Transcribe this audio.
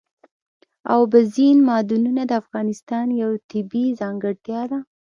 اوبزین معدنونه د افغانستان یوه طبیعي ځانګړتیا ده.